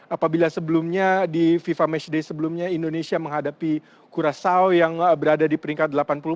apabila sebelumnya di fifa matchday sebelumnya indonesia menghadapi kurasaw yang berada di peringkat delapan puluh empat